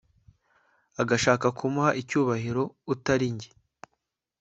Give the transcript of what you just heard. agashaka kumuha icyubahiro utari njye